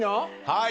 はい。